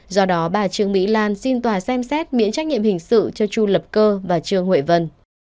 do đó bà trương mỹ lan xin tòa xem xét miễn trách nhiệm hình sự cho chu lập cơ và trương huệ vân